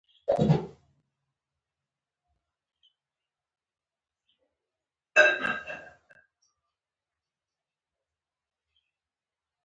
بازار کې ارزانه وی